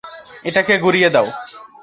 এটাকে গুঁড়িয়ে দাও!